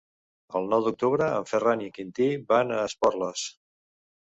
El nou d'octubre en Ferran i en Quintí van a Esporles.